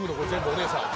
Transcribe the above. お姉さん。